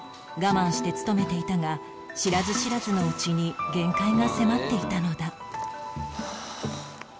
我慢して勤めていたが知らず知らずのうちに限界が迫っていたのだ